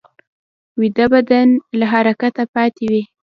ویده بدن له حرکته پاتې وي